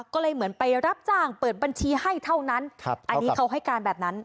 ก็เลยเหมือนไปรับจ้างเปิดบัญชีให้เท่านั้นอันนี้เขาให้การแบบนั้น